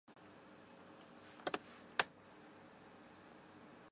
人肉搜索有时也造就了网路爆红现象。